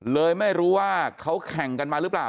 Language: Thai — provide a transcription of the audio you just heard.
เลยไม่รู้ว่าเขาแข่งกันมาหรือเปล่า